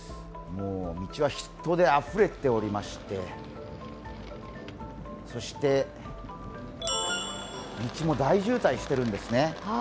道は人であふれておりまして、そして大渋滞してるんですね。